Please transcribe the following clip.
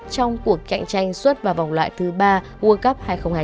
trong cuộc cạnh tranh xuất vào vòng loại thứ ba world cup hai nghìn hai mươi